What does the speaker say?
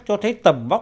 cho thấy tầm vóc